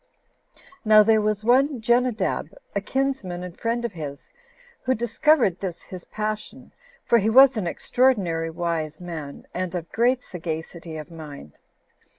Now there was one Jenadab, a kinsman and friend of his, who discovered this his passion, for he was an extraordinary wise man, and of great sagacity of mind.